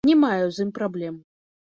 Не маю з ім праблем.